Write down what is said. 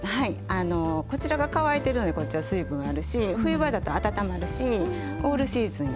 あのこちらが乾いてるのでこっちは水分あるし冬場だと温まるしオールシーズン